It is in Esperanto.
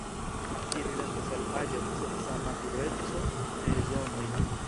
Ĝi rilatas al aĝo, seksa matureco, sezonoj.